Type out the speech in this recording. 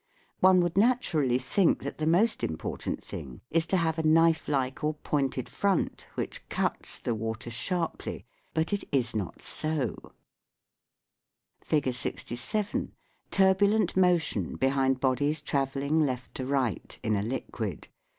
One would naturally think that the most important thing is to have a knife like or pointed front which cuts the water sharply ; but it is not so, FIG. 67. Turbulent motion behind bodies travelling (left to right) in a liquid.